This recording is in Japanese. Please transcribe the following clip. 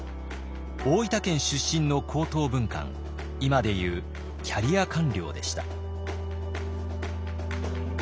大分県出身の高等文官今で言うキャリア官僚でした。